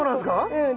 うん。